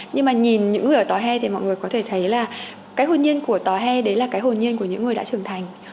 nhưng mà nhìn những người ở tàu he thì mọi người có thể thấy là cái hồn nhiên của tàu he đấy là cái hồn nhiên của những người đã trưởng thành